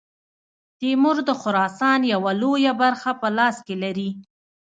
تیمور د خراسان یوه لویه برخه په لاس کې لري.